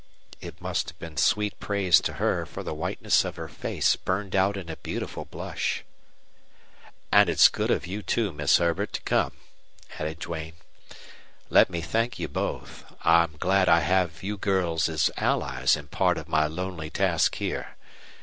It must have been sweet praise to her, for the whiteness of her face burned out in a beautiful blush. "And it's good of you, too, Miss Herbert, to come," added Duane. "Let me thank you both. I'm glad I have you girls as allies in part of my lonely task here.